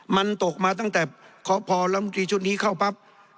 มันตกมาตั้งแต่พอรัฐมนตรีชุดนี้เข้าปั๊บ